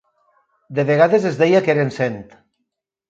De vegades es deia que eren cent.